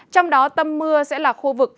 trong đó tâm mưa sẽ là khu vực